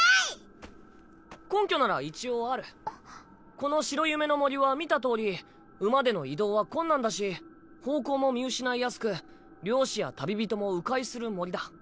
この白夢の森は見たとおり馬での移動は困難だし方向も見失いやすく猟師や旅人も迂回する森だ。